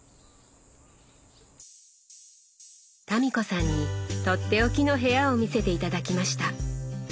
民子さんにとっておきの部屋を見せて頂きました。